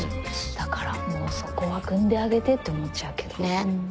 だからもうそこはくんであげてって思っちゃうけどうん。